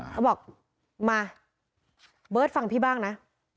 เขาบอกมาเบิร์ตฟังพี่บ้างนะ